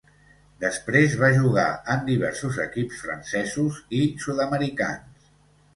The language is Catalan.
Després, va jugar en diversos equips francesos i sud-americans.